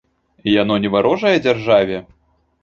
Яно не варожае дзяржаве?